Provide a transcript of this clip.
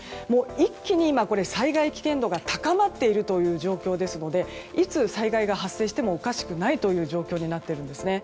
一気に災害危険度が高まっている状況ですのでいつ、災害が発生してもおかしくない状況になっているんです。